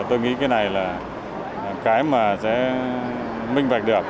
tôi nghĩ cái này là cái mà sẽ minh bạch được